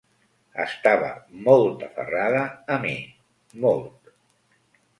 Estava molt aferrada a mi, molt.